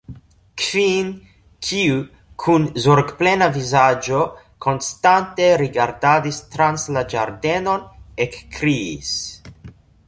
Kvin, kiu kun zorgplena vizaĝo konstante rigardadis trans la ĝardenon, ekkriis.